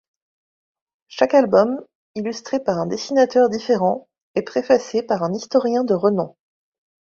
Chaque album, illustré par un dessinateur différent, est préfacé par un historien de renom.